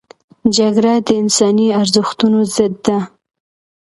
جګړه د انساني ارزښتونو ضد ده